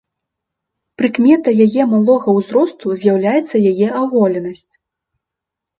Прыкметай яе малога ўзросту з'яўляецца яе аголенасць.